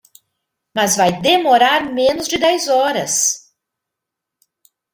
Mas vai demorar menos de dez horas.